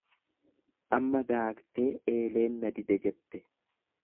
Amma daaktee eeleen na dide jette.